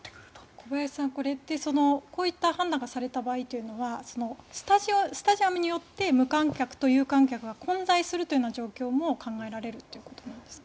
小林さん、こういった判断がされた場合というのはスタジアムによって無観客と有観客が混在するという状況も考えられるということなんですか。